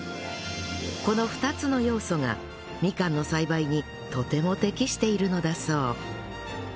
この２つの要素がみかんの栽培にとても適しているのだそう